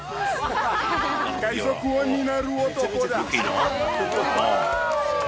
海賊王になる男だ！